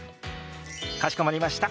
かしこまりました。